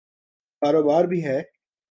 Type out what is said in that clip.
کاروبار بھی ہے۔